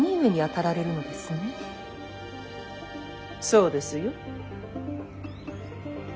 そうですよ。